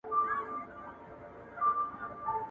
چي نه کار، په هغه دي څه کار.